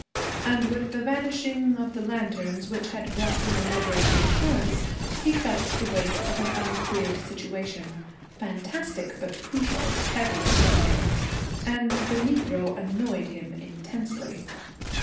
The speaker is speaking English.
And with the vanishing of the lantern which had brought him a measure of reassurance he felt the weight of an uncleared situation, fantastic but crucial, heavy upon him. And the Negro annoyed him intensely.